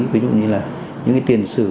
ví dụ như là những tiền sử